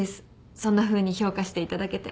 そんなふうに評価していただけて。